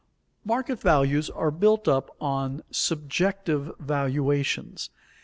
_Market values are built up on subjective valuations.